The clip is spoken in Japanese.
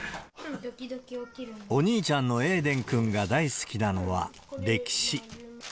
お兄ちゃんのエイデン君が大好きなのは歴史。